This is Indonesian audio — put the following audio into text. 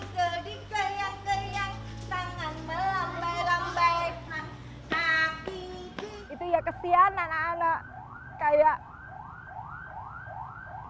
itu ya kesian anak anak kayak